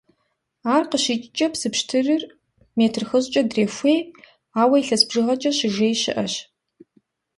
Ар къыщикӀкӀэ, псы пщтырыр метр хыщӏкӀэ дрехуей, ауэ илъэс бжыгъэкӀэ «щыжеи» щыӀэщ.